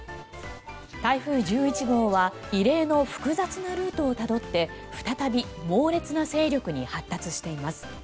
台風１１号は異例の複雑なルートをたどって再び、猛烈な勢力に発達しています。